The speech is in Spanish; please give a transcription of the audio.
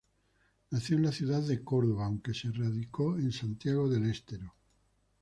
Nació en la ciudad de Córdoba aunque se radicó en Santiago del Estero.